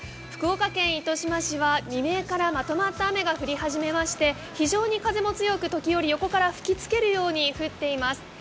福岡県糸島市は未明からまとまった雨が降り始めまして非常に風も強く、時折横から吹きつけるように降っています。